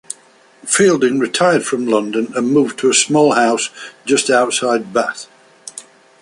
Fielding retired from London and moved to a small house just outside Bath.